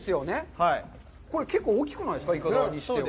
これ、結構大きくないんでか、いかだにしては。